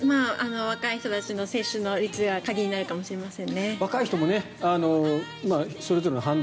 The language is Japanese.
若い人たちの接種の率が鍵になるかもしれません。